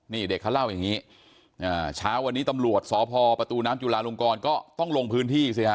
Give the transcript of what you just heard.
นี่เด็กเขาเล่าอย่างนี้เช้าวันนี้ตำรวจสพประตูน้ำจุลาลงกรก็ต้องลงพื้นที่สิฮะ